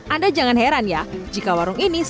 anda jangan heran ya jika warung ini selesai